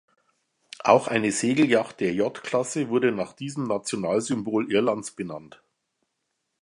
Auch eine Segelyacht der J-Klasse wurde nach diesem Nationalsymbol Irlands benannt.